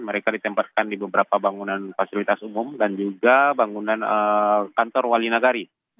mereka ditempatkan di beberapa bangunan fasilitas umum dan juga bangunan kantor wali nagari